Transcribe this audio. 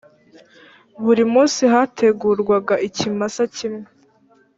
buri munsi hategurwaga ikimasa kimwe